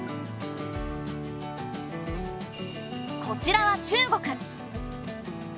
こちらは中国。